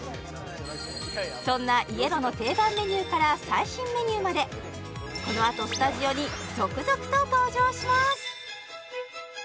そんなｙｅｌｏの定番メニューから最新メニューまでこのあとスタジオに続々と登場します！